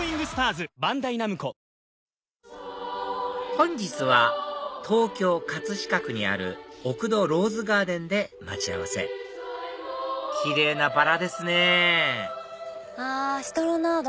本日は東京・飾区にある奥戸ローズガーデンで待ち合わせキレイなバラですねうわシトロナード！